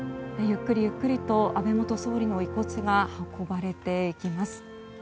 ゆっくりゆっくりと安倍元総理の遺骨が運ばれていきます。